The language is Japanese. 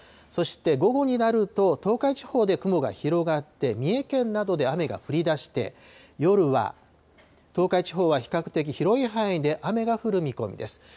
そして、午後になると、東海地方で雲が広がって、三重県などで雨が降りだして、夜は東海地方は比較的、広い範囲で雨が降る見込みです。